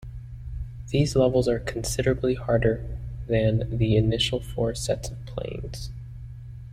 These levels are considerably harder than the initial four sets of planes.